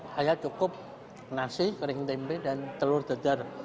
hanya cukup nasi kering tempe dan telur dejar